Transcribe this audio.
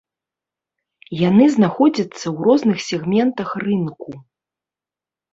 Яны знаходзяцца ў розных сегментах рынку.